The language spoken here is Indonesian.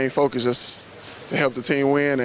untuk membantu tim ini menang dan